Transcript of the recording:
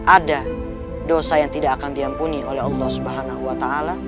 ada dosa yang tidak akan diampuni oleh allah swt